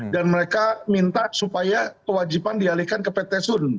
dan mereka minta supaya kewajiban dialihkan ke pt